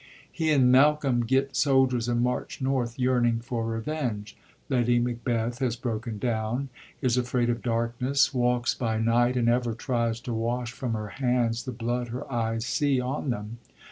He and Malcolm get soldiers and march liorth, yearning for revenge. Lady Macbeth has broken down, is afraid of darkness, walks by night, and ever tries to wash from her hands the blood her eyes see on them.